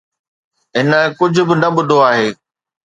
هن ڪجهه به نه ٻڌو آهي.